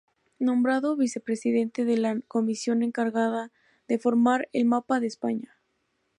Nombrado vicepresidente de la comisión encargada de formar el Mapa de España.